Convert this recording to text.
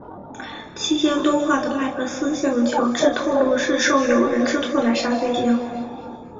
期间多话的麦克斯向乔治透露是受友人之托来杀对象。